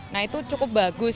nah itu cukup bagus